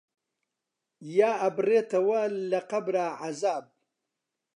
یا ئەبڕێتەوە لە قەبرا عەزاب